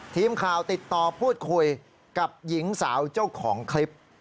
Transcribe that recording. ทีมข่าวติดต่อพูดคุยกับหญิงสาวเจ้าของคลิป